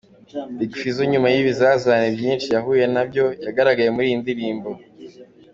Big Fizzo nyuma y'ibizazane byinshi yahuye nabyo, yagaragaye muri iyi ndirimbo.